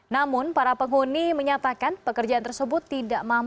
namun para penghuni menyatakan pekerjaan tersebut tidak mampu